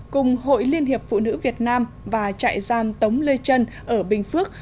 cùng hội liên hiệp phụ nữ việt nam và trại giam tống lê trân ở bình phước